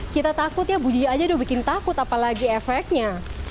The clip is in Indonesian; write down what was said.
kita takut ya buji aja udah bikin takut apalagi efeknya